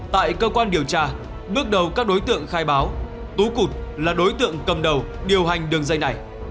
tại cơ quan điều tra bước đầu các đối tượng khai báo tú cục là đối tượng cầm đầu điều hành đường dây này